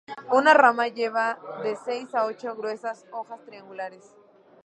Una rama lleva de seis a ocho gruesas hojas triangulares.